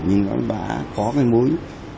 nhưng nó đã có cái mối